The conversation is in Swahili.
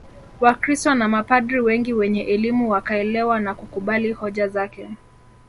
Wakristo na mapadri wengi wenye elimu wakaelewa na kukubali hoja zake